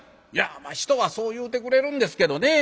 「人はそう言うてくれるんですけどね